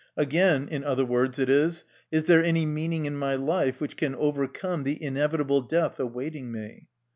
Again, in other words it is :" Is there any meaning in my life which can overcome the inevitable death awaiting me?"